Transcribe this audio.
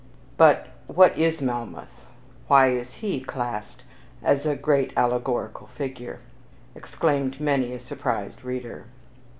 "But what is 'Melmoth'? Why is HE classed as 'a great allegorical figure'?" exclaimed many a surprised reader.